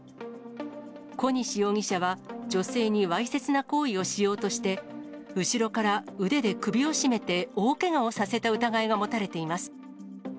小西容疑者は女性にわいせつな行為をしようとして、後ろから腕で首を絞めて大けがをさせた疑いが持たれています。